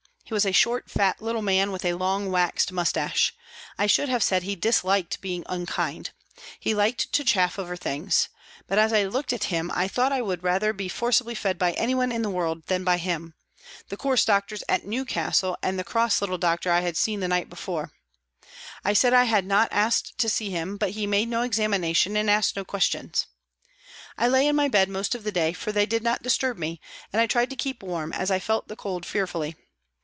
He was a short, fat, little man, with a long waxed moustache. I should have said he disliked being unkind ; he liked to chaff over things ; but as I looked at him I thought I would rather be forcibly fed by anyone in the world than by him, the coarse doctors at Newcastle and the cross little doctor I had seen the night before. I said I 264 PRISONS AND PRISONERS had not asked to see him, but he made no examina tion and asked no questions. I lay in my bed most of the day, for they did not disturb me, and I tried to keep warm, as I felt the cold fearfully.